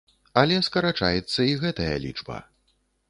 Але скарачаецца і гэтая лічба.